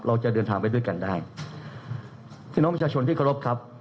เราจะเดินทางไปด้วยกันได้พี่น้องประชาชนที่เคารพครับ